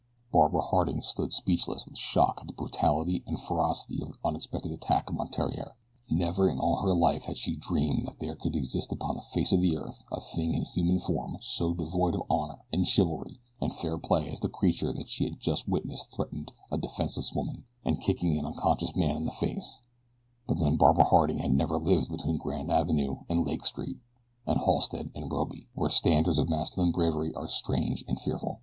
Barbara Harding stood speechless with shock at the brutality and ferocity of the unexpected attack upon Theriere. Never in all her life had she dreamed that there could exist upon the face of the earth a thing in human form so devoid of honor, and chivalry, and fair play as the creature that she had just witnessed threatening a defenseless woman, and kicking an unconscious man in the face; but then Barbara Harding had never lived between Grand Avenue and Lake Street, and Halsted and Robey, where standards of masculine bravery are strange and fearful.